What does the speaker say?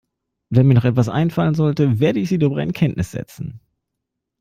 Wenn mir noch etwas einfallen sollte, werde ich Sie darüber in Kenntnis setzen.